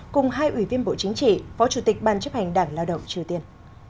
cùng hai ủy viên bộ chính trị phó chủ tịch ban chấp hành đảng lao động triều tiên